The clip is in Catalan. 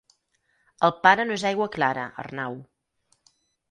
El pare no és aigua clara, Arnau.